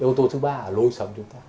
yếu tố thứ ba là lối sống chúng ta